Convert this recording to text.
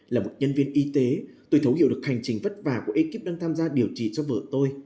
là một nhân viên y tế tôi thấu hiểu được hành trình vất vả của ekip đang tham gia điều trị cho vợ tôi